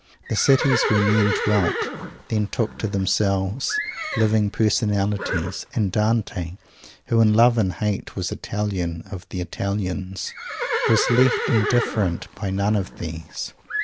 The cities where men dwelt then took to themselves living personalities; and Dante, who in love and hate was Italian of the Italians, was left indifferent by none of these.